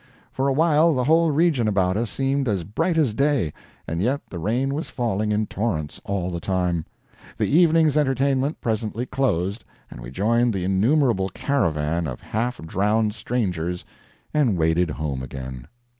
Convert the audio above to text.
For a while the whole region about us seemed as bright as day, and yet the rain was falling in torrents all the time. The evening's entertainment presently closed, and we joined the innumerable caravan of half drowned strangers, and waded home again.